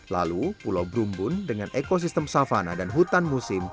lalu pulau brumbun dengan ekosistem savana dan hutan musim